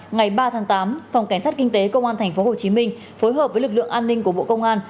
ngày ba tháng tám phòng cảnh sát kinh tế công an thành phố hồ chí minh phối hợp với lực lượng an ninh của bộ công an